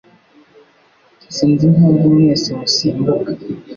Sinzi impamvu mwese musimbuka.